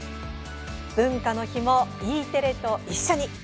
文化の日もＥテレと一緒に！